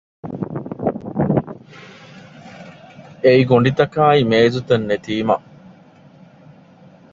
އެއީ ގޮނޑިތަކާއި މޭޒުތައް ނެތީމަ